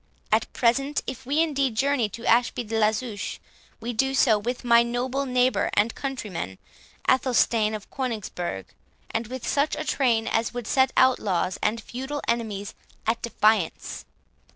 At present, if we indeed journey to Ashby de la Zouche, we do so with my noble neighbour and countryman Athelstane of Coningsburgh, and with such a train as would set outlaws and feudal enemies at defiance.